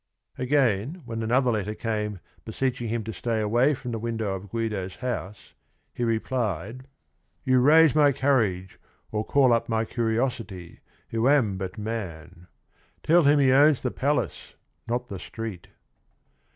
Again when another letter came beseeching him to stay away from the window of Guido's home, he replied : CAPONSACCHI 97 "You raise my courage, or call up My curiosity, who am but man. Tell him he owns the palace, not the street."